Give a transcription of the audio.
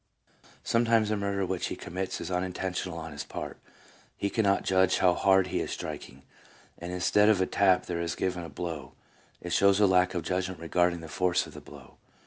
Sometimes a murder which he commits is unin tentional on his part. He cannot judge how hard he is striking, and instead of a tap there is given a blow; it shows a lack of judgment regarding the force of the blow.